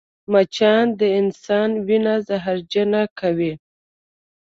مچان د انسان وینه زهرجنه کوي